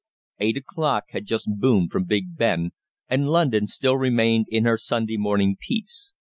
Eight o'clock had just boomed from Big Ben, and London still remained in her Sunday morning peace.